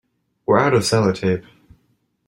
We're out of sellotape.